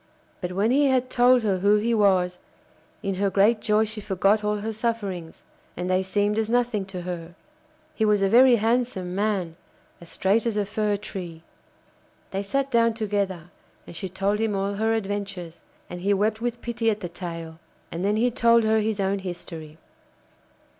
But when he had told her who he was, in her great joy she forgot all her sufferings, and they seemed as nothing to her. He was a very handsome man, as straight as a fir tree. They sat down together and she told him all her adventures, and he wept with pity at the tale. And then he told her his own history.